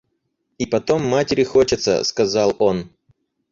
И потом матери хочется, — сказал он.